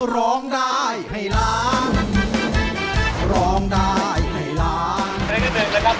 ร้องดายให้ล้าน